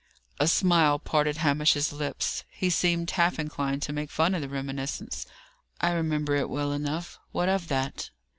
A smile parted Hamish's lips; he seemed half inclined to make fun of the reminiscence. "I remember it well enough. What of that?"